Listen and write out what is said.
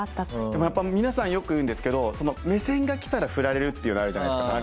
でもやっぱ皆さんよく言うんですけど目線が来たら振られるっていうのあるじゃないですか。